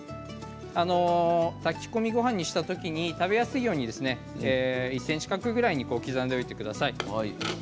炊き込みごはんにした時に食べやすいように１ｃｍ角ぐらいに刻んでおいてください。